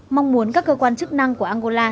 mong muốn các cơ quan chức năng của angola